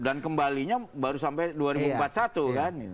dan kembalinya baru sampai dua ribu empat puluh satu kan